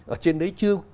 ở trên đấy chưa